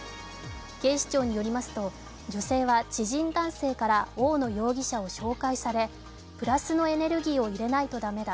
警視庁によりますと女性は知人男性から大野容疑者を紹介されプラスのエネルギーを入れないと駄目だ。